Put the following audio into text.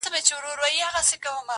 حیوانان ورته راتلل له نیژدې لیري -